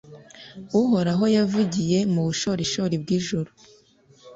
uhoraho yavugiye mu bushorishori bw'ijuru